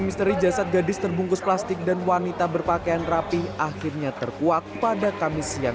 misteri jasad gadis terbungkus plastik dan wanita berpakaian rapih akhirnya terkuak pada kamis siang